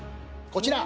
こちら。